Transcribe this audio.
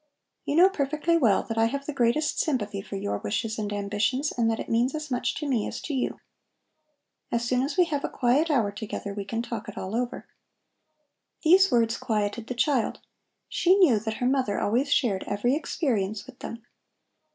You know perfectly well that I have the greatest sympathy for your wishes and ambitions, and that it means as much to me as to you. As soon as we have a quiet hour together we can talk it all over." These words quieted the child. She knew that her mother always shared every experience with them.